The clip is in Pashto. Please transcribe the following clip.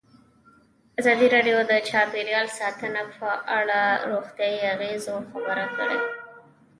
ازادي راډیو د چاپیریال ساتنه په اړه د روغتیایي اغېزو خبره کړې.